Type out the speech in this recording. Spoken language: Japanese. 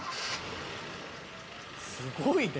すごいね。